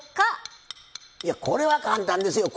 いやこれは簡単ですよ。